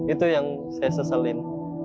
itu yang saya seselin